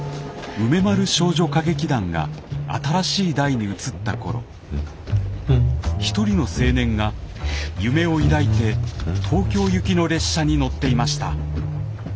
梅丸少女歌劇団が新しい代に移った頃一人の青年が夢を抱いて東京行きの列車に乗っていました。